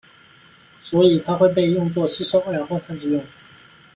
所以它会被用作吸收二氧化碳之用。